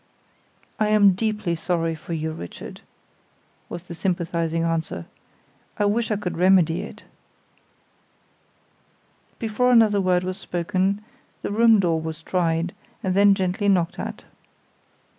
"I am deeply sorry for you, Richard," was the sympathizing answer. "I wish I could remedy it." Before another word was spoken the room door was tried, and then gently knocked at. Mr.